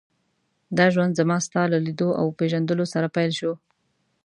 دا ژوند زما ستا له لیدو او پېژندلو سره پیل شو.